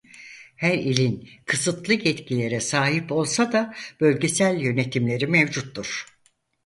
Her ilin kısıtlı yetkilere sahip olsa da bölgesel yönetimleri mevcuttur.